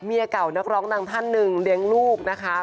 เก่านักร้องดังท่านหนึ่งเลี้ยงลูกนะคะ